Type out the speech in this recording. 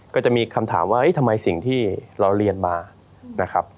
ก็จะมีคำถามว่าทำไมสิ่งที่เราเรียนมานะครับ